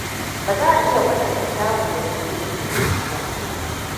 Ba za a iya kwatanta kyawun da kogin ke da shi ba.